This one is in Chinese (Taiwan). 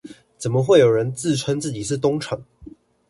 怎麼會有人自稱自己是東廠？